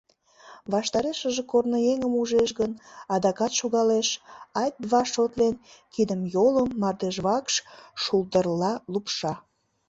Ваштарешыже корныеҥым ужеш гын, адакат шогалеш, ать-два шотлен, кидым-йолым мардежвакш шулдырла лупша.